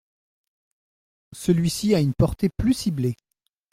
Celui-ci a une portée plus ciblée.